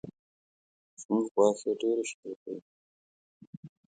زمونږ غوا ښې ډېرې شیدې کوي